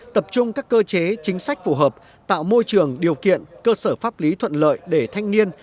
tập trung các cơ chế chính sách phù hợp tạo môi trường điều kiện cơ sở pháp lý thuận lợi để thanh niên